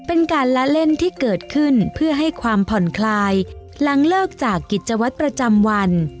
เป็นการละเล่นที่เกิดขึ้นเพื่อให้ความผ่อนคลายหลังเลิกจากกิจวัตรประจำวัน